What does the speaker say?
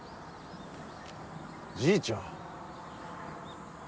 ・じいちゃん。